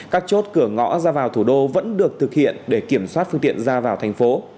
các chốt cửa ngõ ra vào thủ đô vẫn được thực hiện để kiểm soát phương tiện ra vào thành phố